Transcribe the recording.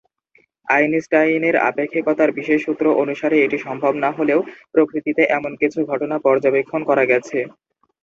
আইনস্টাইনের আপেক্ষিকতার বিশেষ সূত্র অনুসারে এটি সম্ভব না হলেও প্রকৃতিতে এমন কিছু ঘটনা পর্যবেক্ষণ করা গেছে।